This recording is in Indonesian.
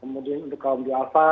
kemudian untuk kaum di alfa